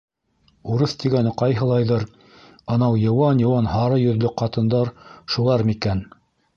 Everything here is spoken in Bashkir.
Урыҫ тигәне ҡайһылайҙыр, анау йыуан-йыуан һары йөҙлө ҡатындар шулар микән?